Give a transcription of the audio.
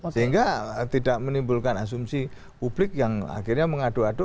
sehingga tidak menimbulkan asumsi publik yang akhirnya mengadu adu